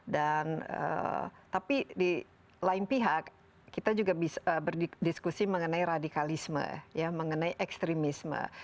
dan tapi di lain pihak kita juga bisa berdiskusi mengenai radikalisme ya mengenai ekstremisme